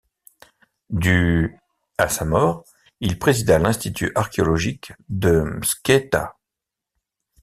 Du à sa mort, il présida l'Institut archéologique de Mtskheta.